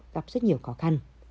gặp rất nhiều khó khăn